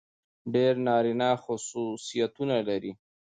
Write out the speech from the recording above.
ډېر نارينه خصوصيتونه لري.